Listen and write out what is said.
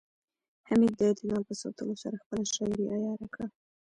حمید د اعتدال په ساتلو سره خپله شاعرۍ عیاره کړه